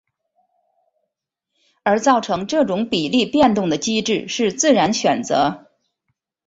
而造成这种比例变动的机制是自然选择。